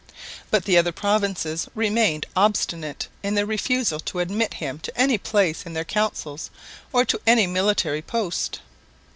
But the other provinces remained obstinate in their refusal to admit him to any place in their councils or to any military post.